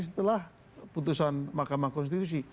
setelah putusan mahkamah konstitusi